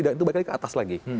dan itu ke atas lagi